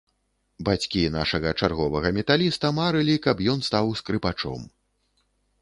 Бацькі нашага чарговага металіста марылі, каб ён стаў скрыпачом.